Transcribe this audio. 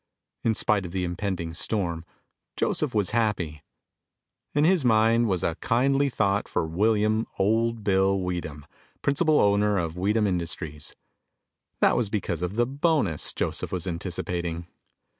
In spite of the impending storm, Joseph was happy. In his mind was a kindly thought for William "Old Bill" Weedham, principal owner of Weedham Industries. That was because of the bonus Joseph was anticipating.